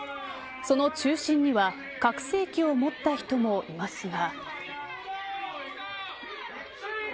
その中心には拡声機を持った人もいますが。